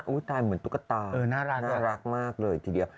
ตายเหมือนตุ๊กตาน่ารักมากเลยทีเดียว